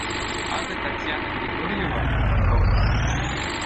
Акӑ Татьяна Григорьева -- фотограф.